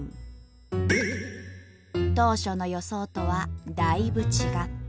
当初の予想とはだいぶ違った。